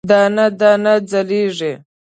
دانه، دانه ځلیږې